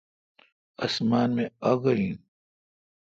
اسمان می آگو این اے۔